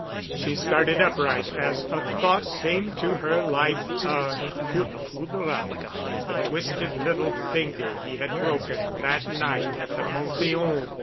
She started upright as a thought came to her like a coup de foudre. The twisted little finger he had broken that night at the Pantheon.